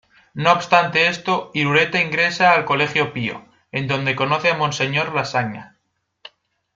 No obstante esto, Irureta ingresa al Colegio Pío, en donde conoce a Monseñor Lasagna.